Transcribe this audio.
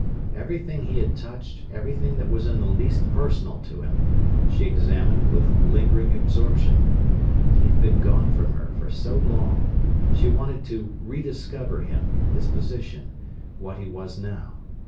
Everything he had touched, everything that was in the least personal to him, she examined with lingering absorption. He had been gone from her for so long, she wanted to rediscover him, his position, what he was now.